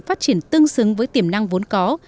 phát triển tương xứng với tiềm năng vốn có